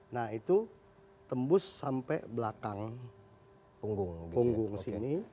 nah itu tembus sampai belakang punggung sini